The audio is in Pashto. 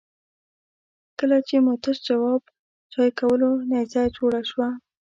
کله چې مو تش جواب چای کولو نيزه جوړه شوه.